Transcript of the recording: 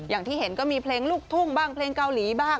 อย่างที่เห็นก็มีเพลงลูกทุ่งบ้างเพลงเกาหลีบ้าง